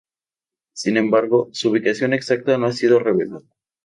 Sin embargo, su ubicación exacta no ha sido revelada.